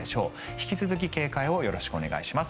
引き続き警戒をよろしくお願いします。